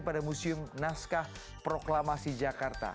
pada museum naskah proklamasi jakarta